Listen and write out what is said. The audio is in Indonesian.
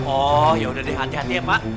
oh ya udah deh hati hati ya pak